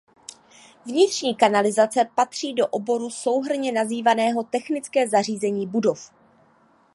Vnitřní kanalizace patří do oboru souhrnně nazývaného technické zařízení budov.